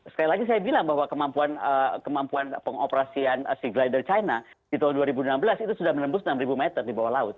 sekali lagi saya bilang bahwa kemampuan pengoperasian sea glider china di tahun dua ribu enam belas itu sudah menembus enam meter di bawah laut